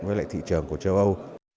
với lại thị trường của châu âu